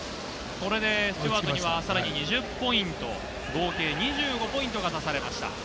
これでスチュワートには、さらに２０ポイント、合計２５ポイントが足されました。